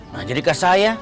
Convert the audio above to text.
nah jadikah saya